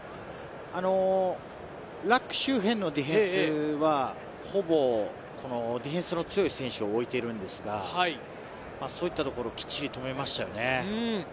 ラック周辺のディフェンスは、ディフェンスの強い選手を置いているんですが、そういうところ、きっちり止めましたよね。